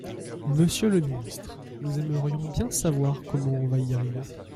Monsieur le ministre, nous aimerions bien savoir comment on va y arriver.